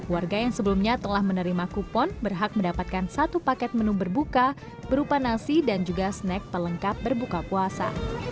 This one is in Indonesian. warga yang sebelumnya telah menerima kupon berhak mendapatkan satu paket menu berbuka berupa nasi dan juga snack pelengkap berbuka puasa